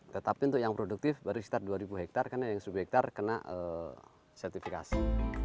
tetapi untuk yang produktif baru sekitar dua ribu hektare karena yang sub hektare kena sertifikasi